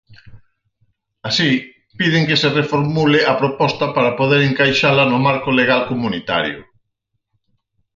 Así, piden que "se reformule a proposta para poder encaixala no marco legal comunitario".